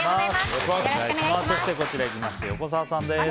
そして横澤さんです。